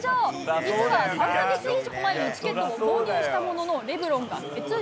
実は３か月以上前にチケットを購入したものの、レブロンが欠場。